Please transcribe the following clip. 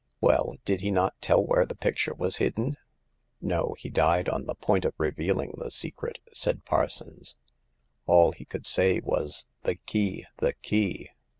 " Well, did he not tell where the picture was hidden ?"" No ; he died on the point of revealing the secret," said Parsons. A11 he could say was 'The key! the key!'